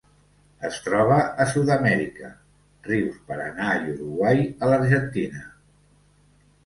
Es troba a Sud-amèrica: rius Paranà i Uruguai a l'Argentina.